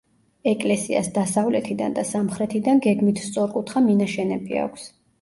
ეკლესიას დასავლეთიდან და სამხრეთიდან გეგმით სწორკუთხა მინაშენები აქვს.